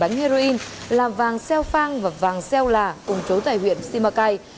bánh heroin là vàng xeo phang và vàng xeo là cùng chú tại huyện simacai